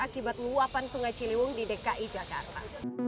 akibat luapan sungai ciliwung di dki jakarta